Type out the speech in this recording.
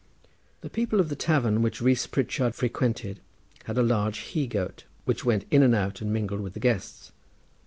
The people of the tavern which Rees Pritchard frequented had a large he goat, which went in and out and mingled with the guests.